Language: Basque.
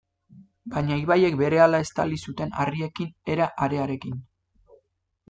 Baina ibaiek berehala estali zuten harriekin era harearekin.